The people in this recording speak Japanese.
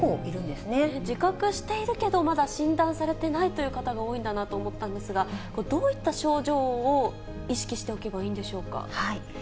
自覚しているけど、まだ診断されてないという方が多いんだなと思ったんですが、どういった症状を意識しておけばいいんでしょうか？